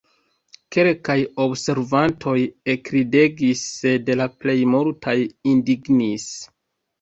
Kelkaj observantoj ekridegis, sed la plej multaj indignis.